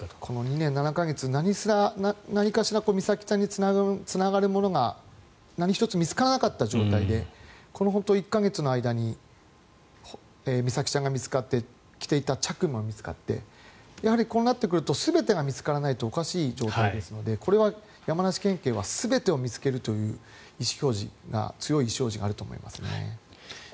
この２年７か月の間に何かしら美咲さんにつながるものが何一つ見つからなかった状態でこの１か月の間に美咲さんが見つかって着ていた着衣も見つかってこうなってくると全てが見つからないとおかしい状態ですのでこれは山梨県警は全てを見つけるという強い意思表示があると思いますね。